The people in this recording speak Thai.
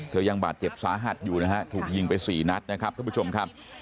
เธอยังบาดเจ็บสาหัสอยู่นะครับถูกยิงไป๔นัดนะครับทุกผู้ชมครับ